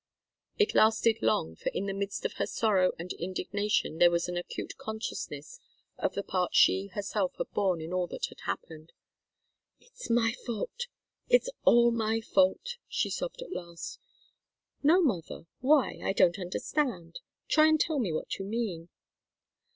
It lasted long, for in the midst of her sorrow and indignation there was the acute consciousness of the part she herself had borne in all that had happened. "It's my fault, it's all my fault!" she sobbed, at last. "No, mother why? I don't understand! Try and tell me what you mean."